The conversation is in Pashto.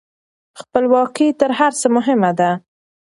خپلواکي تر هر څه مهمه ده.